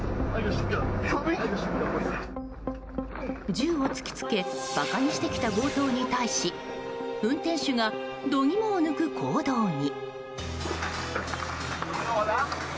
銃を突きつけ馬鹿にしてきた強盗に対し運転手が度肝を抜く行動に。